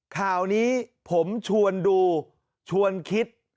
ข่าวนี้ผมชวนดูชวนคิด